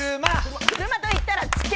車といったら築地。